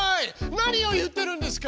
何を言ってるんですか？